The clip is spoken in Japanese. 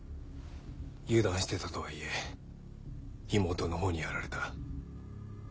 油断してたとはいえ妹のほうにやられた。